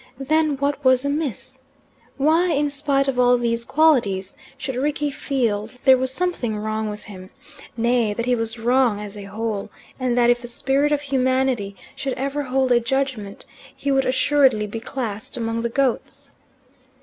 Then what was amiss? Why, in spite of all these qualities, should Rickie feel that there was something wrong with him nay, that he was wrong as a whole, and that if the Spirit of Humanity should ever hold a judgment he would assuredly be classed among the goats?